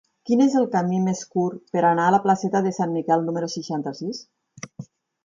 Quin és el camí més curt per anar a la placeta de Sant Miquel número seixanta-sis?